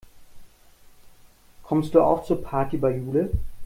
Kommst du auch zur Party bei Jule?